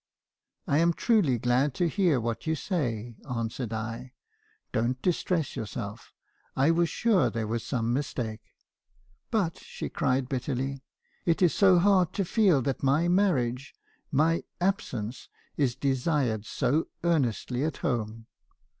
" 'I am truly glad to hear what you say,' answered I. 'Don't distress yourself. I was sure there was some mistake.' "But she cried bitterly. " 'It is so hard to feel that my marriage — my absence — is desired so earnestly at home.